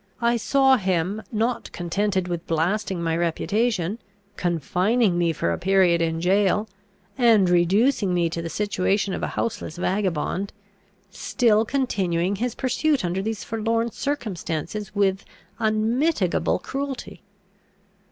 I saw him, not contented with blasting my reputation, confining me for a period in jail, and reducing me to the situation of a houseless vagabond, still continuing his pursuit under these forlorn circumstances with unmitigable cruelty.